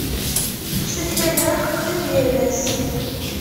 Ssakaleɣ qrib yal ass.